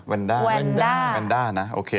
วันด้าวันด้านะคะ